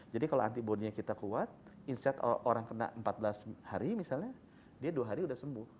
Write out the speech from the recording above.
jadi kalau antibody nya kita kuat inset orang kena empat belas hari misalnya dia dua hari sudah sembuh